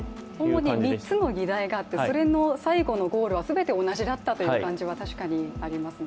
主に３つの議題があって最後のゴールは全て同じだったという感じはありますね。